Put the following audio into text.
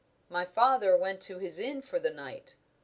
My father went to his inn for the night.